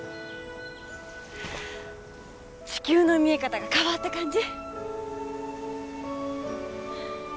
地球の見え方が変わった感じ。